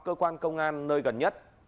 cơ quan công an nơi gần nhất